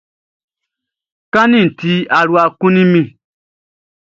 Kanʼni ti, alua kunnin mi.